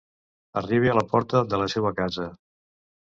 Arribe a la porta de la seua casa.